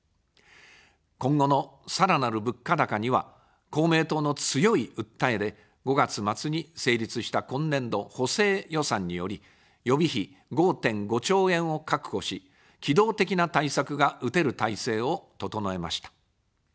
今後のさらなる物価高には公明党の強い訴えで、５月末に成立した今年度補正予算により、予備費５．５兆円を確保し、機動的な対策が打てる体制を整えました。